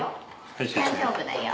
大丈夫だよ。